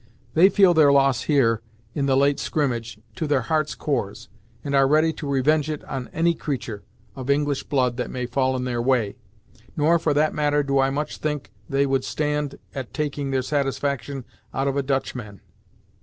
They feel their loss here, in the late skrimmage, to their hearts' cores, and are ready to revenge it on any creatur' of English blood that may fall in their way. Nor, for that matter do I much think they would stand at taking their satisfaction out of a Dutch man."